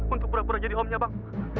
untuk pura pura jadi omnya bang